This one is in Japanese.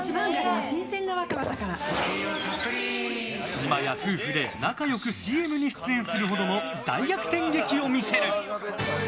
今や夫婦で仲良くＣＭに出演するほどの大逆転劇を見せる。